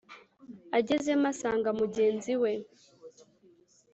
agezemo asanga mugenzi we